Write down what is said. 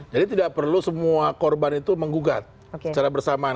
jadi tidak perlu semua korban itu menggugat secara bersamaan